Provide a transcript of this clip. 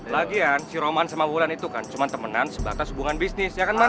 lagian si roman sama wulan itu kan cuman temenan sebatas hubungan bisnis ya kan man